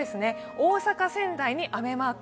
大阪、仙台に雨マーク。